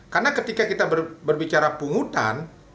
karena ketika kita berbicara penghutan